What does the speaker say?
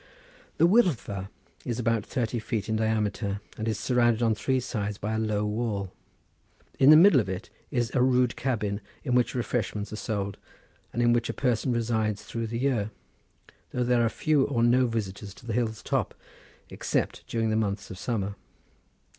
The Wyddfa is about thirty feet in diameter and is surrounded on three sides by a low wall. In the middle of it is a rude cabin, in which refreshments are sold, and in which a person resides throughout the year, though there are few or no visitors to the hill's top, except during the months of summer.